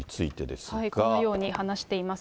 このように話しています。